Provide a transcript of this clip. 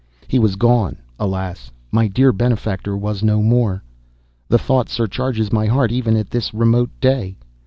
He was gone; alas, my dear benefactor was no more. The thought surcharges my heart even at this remote day.